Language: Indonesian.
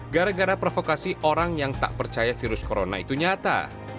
gara gara provokasi orang yang tak percaya virus corona itu nyata